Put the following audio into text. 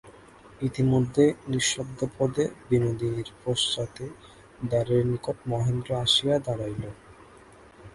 ইতিমধ্যে নিঃশব্দপদে বিনোদিনীর পশ্চাতে দ্বারের নিকট মহেন্দ্র আসিয়া দাঁড়াইল।